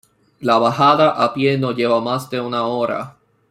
La bajada a pie no lleva más de una hora.